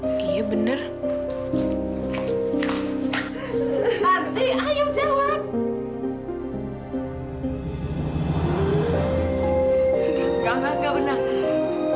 enggak enggak enggak benar